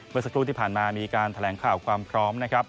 เมื่อสักครู่ที่ผ่านมามีการแถลงข่าวความพร้อมนะครับ